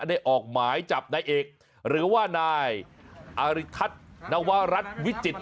ออกหมายจับนายเอกหรือว่านายอาริทัศน์นวรัฐวิจิตร